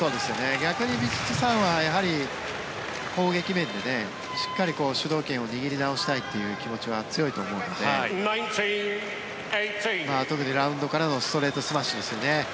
逆にヴィチットサーンは攻撃面でしっかり主導権を握り直したいという気持ちは強いと思うので特にラウンドからのストレートスマッシュですよね。